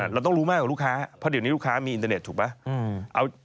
เราต้องรู้มากกว่าลูกค้าเพราะเดี๋ยวนี้ลูกค้ามีอินเทอร์เน็ตถูกไหม